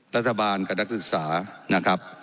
รัฐบาลกับนักศึกษานะครับ